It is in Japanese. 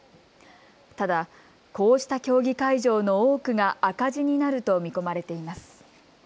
ただ、こうした競技会場の多くが赤字になると見込まれています。